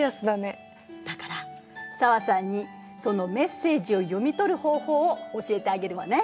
だから紗和さんにそのメッセージを読み取る方法を教えてあげるわね。